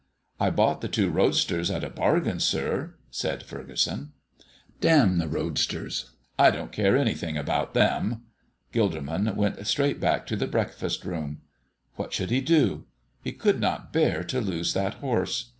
"I bought the two roadsters at a bargain, sir," said Furgeson. "Damn the roadsters! I didn't care anything about them." Gilderman went straight back to the breakfast room. What should he do; he could not bear to lose that horse.